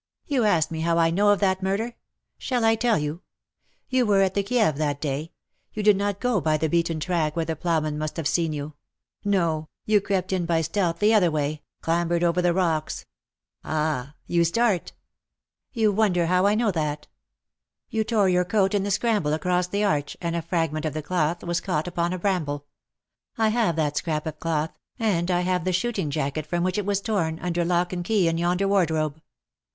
You ask me how I know of that murder. Shall T tell you ? You were at the Kieve that day; you did not go by the beaten track where the ploughmen must have seen you. No ! you crept in by stealth the other way — clambered over the rocks — ah ! you start. You 294 *' SHE STOOD UP JN BITTER CASE, wonder how I know that. You tore your coat in the scramble across the arch^ and a fragment of the cloth was caught upon a bramble. I have that scrap of cloth_, and I have the shooting jacket from which it was torn, under lock and key in yonder wardrobe.